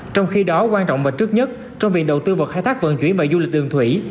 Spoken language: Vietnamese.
trong khi đó quan trọng và trước nhất trong việc đầu tư vào khai thác vận chuyển và du lịch đường thủy